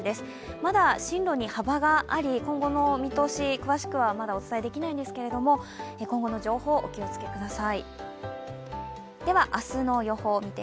まだ進路に幅があり、今後の見通しは詳しくはまだ、お伝えできないんですけれども今後の情報、お気をつけください。